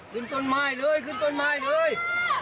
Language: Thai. ขึ้นต้นไม้เลยขึ้นต้นไม้เลย